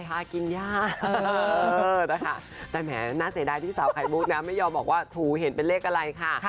หากินยากนะคะแต่แหมน่าเสียดายที่สาวไข่มุกนะไม่ยอมบอกว่าถูเห็นเป็นเลขอะไรค่ะ